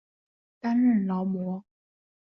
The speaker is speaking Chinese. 担任劳模。